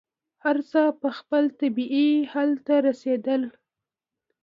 هر څه به خپل طبعي حل ته رسېدل.